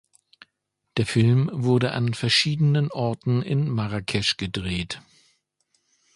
Der Film wurde an verschiedenen Orten in Marrakesch gedreht.